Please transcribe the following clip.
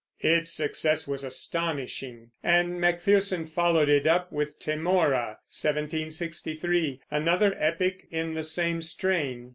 Its success was astonishing, and Macpherson followed it up with Temora (1763), another epic in the same strain.